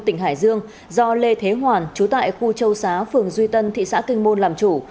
tỉnh hải dương do lê thế hoàn chú tại khu châu xá phường duy tân thị xã kinh môn làm chủ